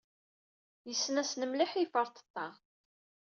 Yessen-asen mliḥ i iferṭeṭṭa.